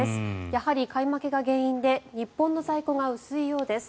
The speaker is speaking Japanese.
やはり買い負けが原因で日本の在庫が薄いようです。